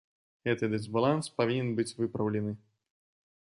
Гэты дысбаланс павінен быць выпраўлены.